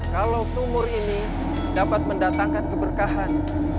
kalau sumur ini dapat mendatangkan keberkahan